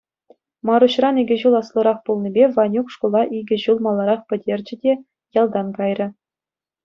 Маруҫран икӗ ҫул аслӑрах пулнипе Ванюк шкула икӗ ҫул маларах пӗтерчӗ те ялтан кайрӗ.